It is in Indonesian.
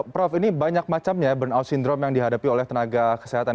prof ini banyak macamnya burnout syndrome yang dihadapi oleh tenaga kesehatan